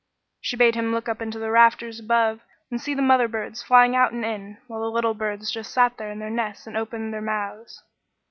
She bade him look up to the rafters above and see the mother birds flying out and in, while the little birds just sat still in their nests and opened their mouths.